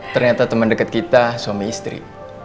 ternyata teman dekat kita suami istri